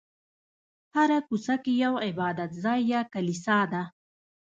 هره کوڅه کې یو عبادت ځای یا کلیسا ده.